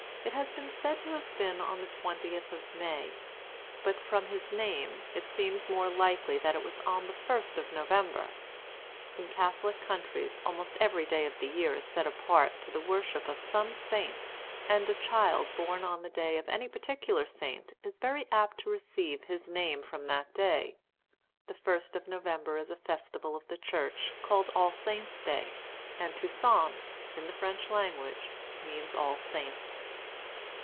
It has been said to have been on the 20th of May. But, from his name, it seems more likely that it was on the 1st of November. In Catholic countries, almost every day of the year is set apart to the worship of some saint; and a child born on the day of any particular saint is very apt to receive his name from that day. The first of November is a festival of the church, called All Saints' Day; and Toussaint, in the French language, means All Saints.